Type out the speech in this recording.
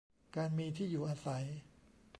การมีที่อยู่อาศัย